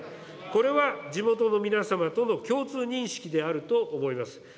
これは地元の皆様との共通認識であると思います。